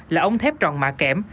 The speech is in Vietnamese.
là ống thép tròn mạ kẹm